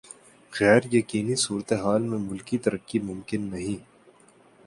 غیر یقینی صورتحال میں ملکی ترقی ممکن نہیں۔